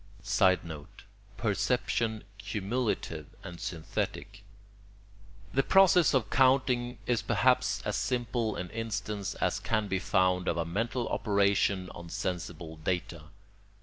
[Sidenote: Perception cumulative and synthetic] The process of counting is perhaps as simple an instance as can be found of a mental operation on sensible data.